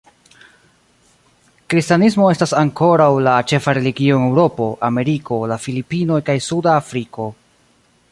Kristanismo estas ankoraŭ la ĉefa religio en Eŭropo, Ameriko, la Filipinoj kaj Suda Afriko.